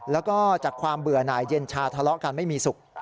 แล้วก็จากความเบื่อหน่ายเย็นชาทะเลาะกันไม่มีสุข